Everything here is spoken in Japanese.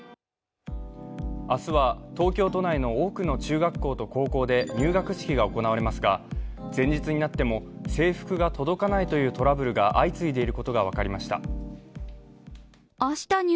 明日は東京都内の多くの中学校と高校で入学式が行われますが前日になっても制服が届かないというトラブルが相次いでいることが分かりました。